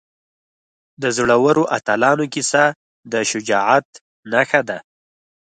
د زړورو اتلانو کیسه د شجاعت نښه ده.